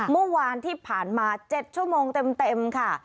เมื่อวานที่ผ่านมา๗ชั่วโมงเต็มค่ะ